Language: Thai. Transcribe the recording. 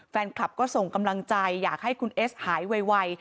แฟนคลับก็ส่งกำลังใจอยากให้คุณเอสหายไว